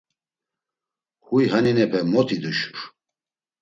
Huy haninepe mot iduşur.